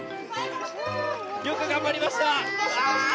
よく頑張りました。